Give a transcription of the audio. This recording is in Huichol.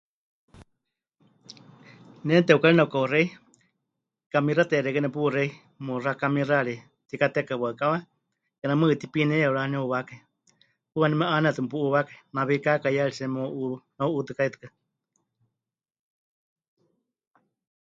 Ne neteukari nepɨka'uxei, kamixateya xeikɨ́a nepuxei, muxá kamixayari pɨtikatekai waɨkawa, kename mɨɨkɨ tipinieya pɨraniuwákai, paɨ waníu me'ánenetɨ mepu'uuwákai, nawí kaakaiyaritsie meu'u... meu'utɨkaitɨ́.